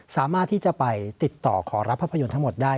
สามารถที่จะไปติดต่อขอรับภาพยนตร์ทั้งหมดได้